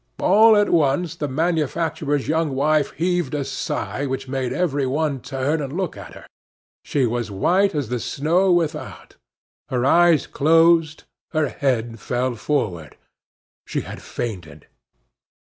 All at once the manufacturer's young wife heaved a sigh which made every one turn and look at her; she was white as the snow without; her eyes closed, her head fell forward; she had fainted.